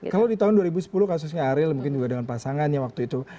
kalau di tahun dua ribu sepuluh kasusnya ariel mungkin juga dengan pasangannya waktu itu